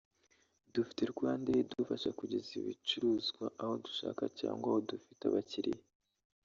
Dufite RwandAir idufasha kugeza ibucuruzwa aho dushaka cyangwa aho dufite abakiriya